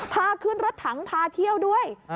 พาขึ้นรถถังพาเที่ยวด้วย